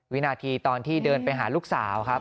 วินาทีตอนที่เดินไปหาลูกสาวครับ